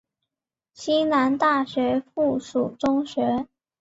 西南大学附属中学。